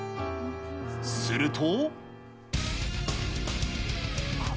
すると。